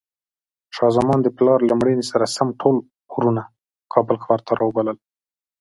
شاه زمان د پلار له مړینې سره سم ټول وروڼه کابل ښار ته راوبلل.